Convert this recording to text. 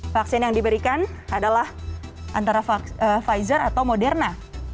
vaksin yang diberikan adalah antara pfizer atau moderna